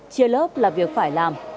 chia lớp là việc phải làm